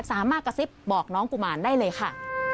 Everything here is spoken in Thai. สามารถกระซิบบอกน้องกุมารได้เลยค่ะ